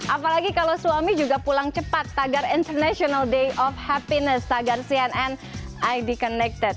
apalagi kalau suami juga pulang cepat tagar international day of happiness tagar cnn id connected